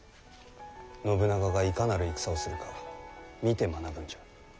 信長がいかなる戦をするか見て学ぶんじゃ。